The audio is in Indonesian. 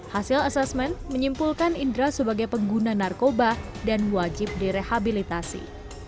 hasil asesmen menyimpulkan indra sebagai pengguna narkoba dan wajib direhabilitasi